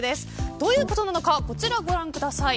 どういうことなのかこちらをご覧ください。